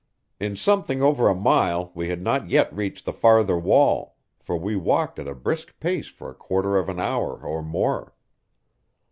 In something over a mile we had not yet reached the farther wall, for we walked at a brisk pace for a quarter of an hour or more.